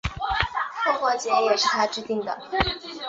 复活节也是他制定的。